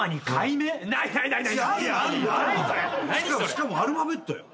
しかもアルファベットよ。